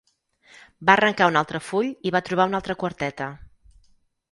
Va arrencar un altre full i va trobar una altra quarteta